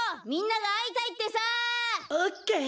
・オッケー！